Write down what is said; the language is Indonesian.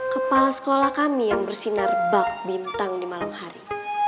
kepala sekolah kami yang bersinar bak bintang di malam hari